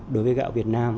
đối với gạo việt nam